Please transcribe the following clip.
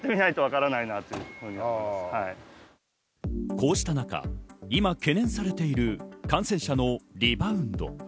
こうした中、いま懸念されている感染者のリバウンド。